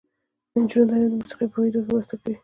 د نجونو تعلیم د موسیقۍ په پوهیدو کې مرسته کوي.